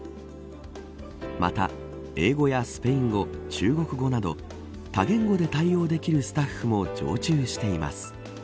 また英語やスペイン語中国語など多言語で対応できるスタッフも常駐しています。